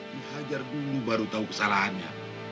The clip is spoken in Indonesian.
dihajar dulu baru tahu kesalahannya